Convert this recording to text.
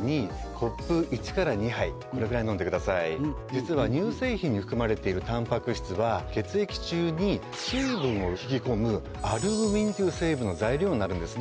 実は乳製品に含まれているタンパク質は血液中に水分を引き込むアルブミンという成分の材料になるんですね。